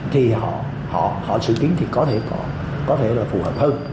thì họ xử kiến thì có thể là phù hợp hơn